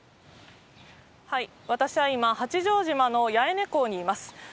私は今、八丈島のやえね港にいます。